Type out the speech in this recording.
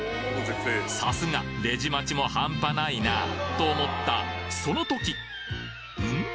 さすがレジ待ちも半端ないなと思ったそのときん？